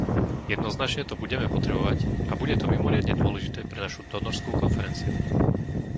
Jednoznačne to budeme potrebovať a bude to mimoriadne dôležité pre našu donorskú konferenciu.